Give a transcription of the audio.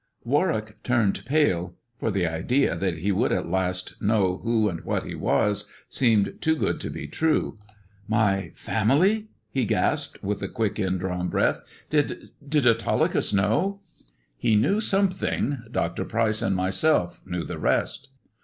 Warwick turned pale, for the idea that he would at last know who and what he was seemed too good to be true. % 144 THE dwarf's chamber " My family 1 " he gasped, with a quick indrawn breath ;*' did— did Autolycus know? "" He knew something. Dr. Pryce and myself knew the rest."